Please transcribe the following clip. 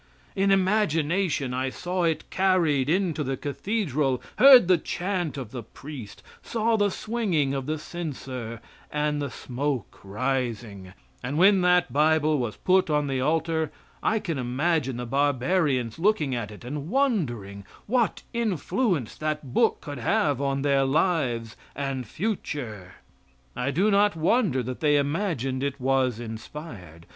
In imagination I saw it carried into the cathedral, heard the chant of the priest, saw the swinging of the censer and the smoke rising; and when that Bible was put on the altar I can imagine the barbarians looking at it and wondering what influence that book could have on their lives and future. I do not wonder that they imagined it was inspired.